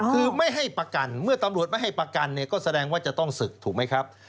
คือไม่ให้ประกันเมื่อตำรวจไม่ให้ประกันเนี่ยก็แสดงว่าจะต้องศึกถูกไหมครับ